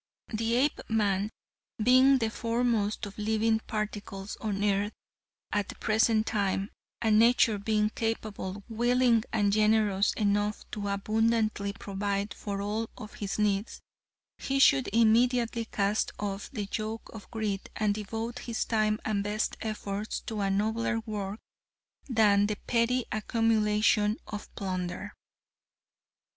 "The Apeman being the foremost of living particles on earth at the present time, and nature being capable, willing and generous enough to abundantly provide for all of his needs, he should immediately cast off the yoke of greed and devote his time and best efforts to a nobler work than the petty accumulation of plunder."